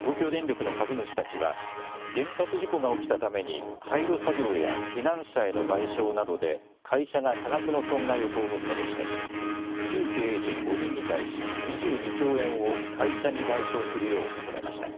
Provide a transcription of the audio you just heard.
東京電力の株主たちは原発事故が起きたために廃炉作業や避難者への賠償などで会社が多額の損害を被ったとして旧経営陣５人に対し２２兆円を会社に賠償するよう求めました。